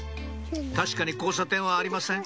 確かに交差点はありません